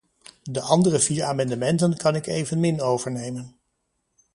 De andere vier amendementen kan ik evenmin overnemen.